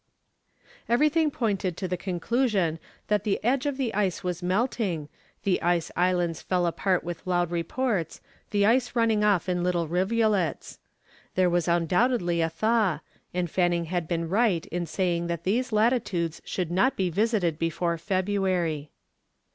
Everything pointed to the conclusion that the edge of the ice was melting, the ice islands fell apart with loud reports, the ice running off in little rivulets: there was undoubtedly a thaw, and Fanning had been right in saying that these latitudes should not be visited before February.